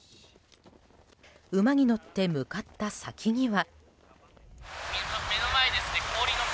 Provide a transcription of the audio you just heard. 馬に乗って向かった先には。